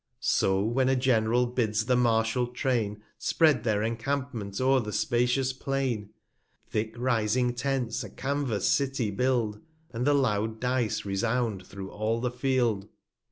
So when a Gen'ral bids the martial Train Spread their Encampment o'er the spatious Plain ; Thick rising Tents a Canvas City build, 251 And the loud Dice resound thro' all the Field.